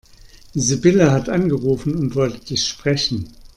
Sibylle hat angerufen und wollte dich sprechen.